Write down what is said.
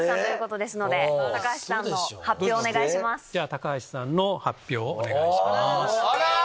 高橋さんの発表をお願いします。